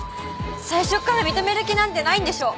最初から認める気なんてないんでしょ！